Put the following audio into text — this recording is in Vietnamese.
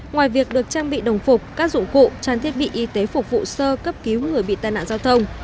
ngoài việc được trang bị đồng phục các dụng cụ trang thiết bị y tế phục vụ sơ cấp cứu người bị tai nạn giao thông